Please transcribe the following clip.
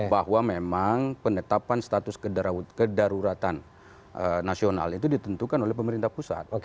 bahwa memang penetapan status kedaruratan nasional itu ditentukan oleh pemerintah pusat